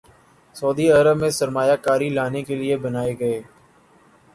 سعودی عرب میں سرمایہ کاری لانے کے لیے بنائے گئے